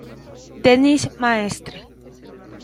Denise Maestre